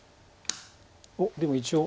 おっでも一応。